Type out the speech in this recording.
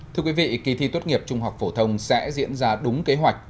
thưa quý vị kỳ thi tốt nghiệp trung học phổ thông sẽ diễn ra đúng kế hoạch